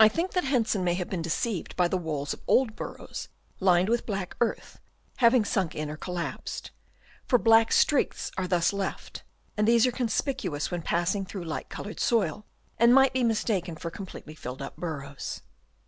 I think that Hensen may have been deceived by the walls of old burrows, lined with black earth, having sunk in or collapsed ; for black streaks are thus left, and these are conspicuous when passing through light coloured soil, and might be mistaken for completely filled up burrows.